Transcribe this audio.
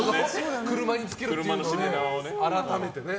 車につけるっていうのをね改めてね。